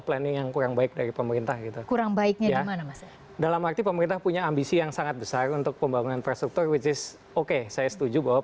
pemerintahan joko widodo